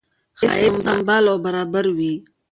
ښایست سمبال او برابر وي.